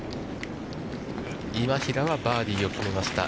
今平はバーディーを決めました。